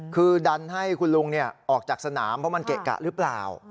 คือดันให้คุณลุงออกจากสนามเพราะมันเกะกะหรือเปล่า